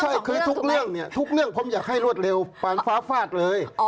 ใช่คือทุกเรื่องผมอยากให้รวดเร็วฟ้าฟากเลย